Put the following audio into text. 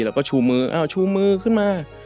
แล้วก็ชูมือชูมือขึ้นมา